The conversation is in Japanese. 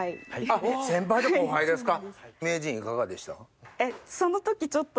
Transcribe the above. あっ先輩と後輩ですか。